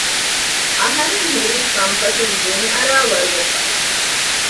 އަހަރެންހުރީ ކަންފަތުން ދުން އަރާވަރު ވެފަ